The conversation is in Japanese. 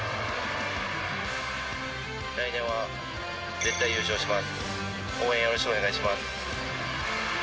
来年は絶対優勝します。